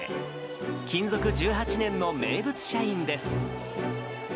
勤続１８年の名物社員です。